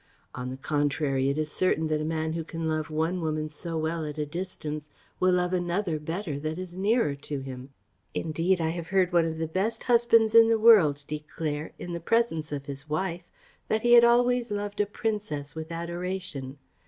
On the contrary, it is certain that a man who can love one woman so well at a distance will love another better that is nearer to him. Indeed, I have heard one of the best husbands in the world declare, in the presence of his wife, that he had always loved a princess with adoration.